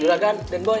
jualan dan boy